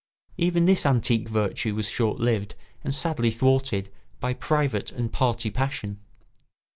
Even this antique virtue was short lived and sadly thwarted by private and party passion.